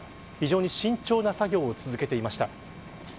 非常に慎重な作業を続けていました。